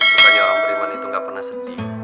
bukannya orang beriman itu gak pernah sedih